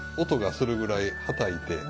音がするぐらいはたいて。